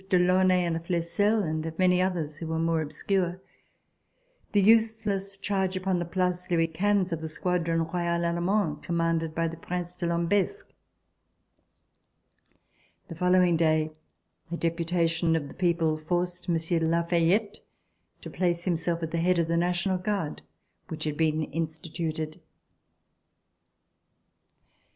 de Launay and Flesselles and of many others who were more obscure ; the use less charge upon the Place Louis XV of the squad ron Royal Allemand, commanded by the Prince de Lambesc. The following day a deputation of the people forced Monsieur de La Fayette to place him self at the head of the National Guard which had been instituted.